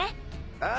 ああ。